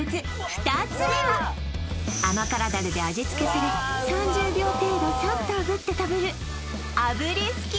２つ目は甘辛ダレで味付けされ３０秒程度サッとあぶって食べるうわ・